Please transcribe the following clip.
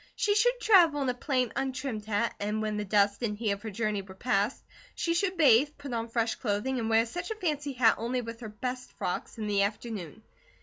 She should travel in a plain untrimmed hat, and when the dust and heat of her journey were past, she should bathe, put on fresh clothing, and wear such a fancy hat only with her best frocks, in the afternoon.